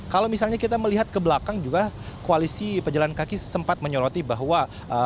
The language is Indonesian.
kalau misalnya kita melihat ke belakang juga koalisi pejalan kaki sempat menyoroti bahwa